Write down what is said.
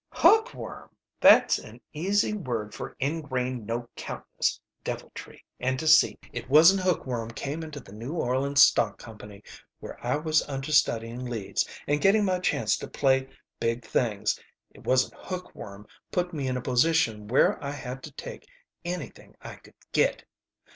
"Hookworm! That's an easy word for ingrained no 'countness, deviltry, and deceit. It wasn't hookworm came into the New Orleans stock company where I was understudying leads and getting my chance to play big things. It wasn't hookworm put me in a position where I had to take anything I could get!